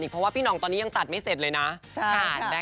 เพราะว่าพี่นองยังตัดไม่เสร็จเลยนะคะ